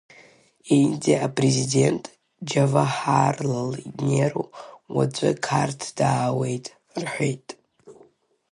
Индиа апрезидент Џьаваҳарлал Неру уаҵәы Қарҭ даауеит, — рҳәеит.